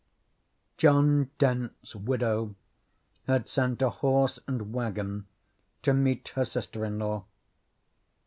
John Dent's widow had sent a horse and wagon to meet her sister in law.